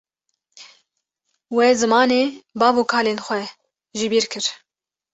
We zimanê bav û kalên xwe jibîr kir